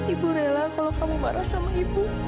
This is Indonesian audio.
ibu rela kalau kamu marah sama ibu